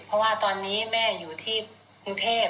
เพราะว่าตอนนี้แม่อยู่ที่กรุงเทพ